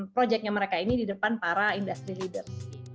proyeknya mereka ini di depan para industri leaders